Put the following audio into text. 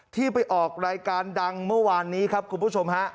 ที่ไปออกรายการดังเมื่อวานนี้ครับคุณผู้ชมฮะ